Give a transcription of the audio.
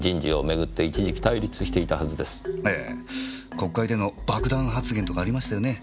国会での爆弾発言とかありましたよね。